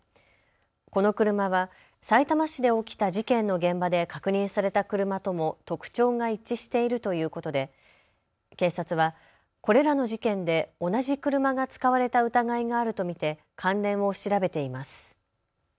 この車はさいたま市で起きた事件の現場で確認された車とも特徴が一致しているということで警察はこれらの事件で同じ車が使われた疑いがあると見て関連を調べています。